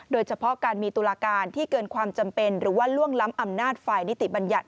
โดยเฉพาะการมีตุลาการที่เกินความจำเป็นหรือว่าล่วงล้ำอำนาจฝ่ายนิติบัญญัติ